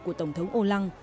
của tổng thống olang